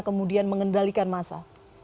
kemudian mengendalikan massa